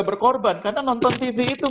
berkorban karena nonton tv itu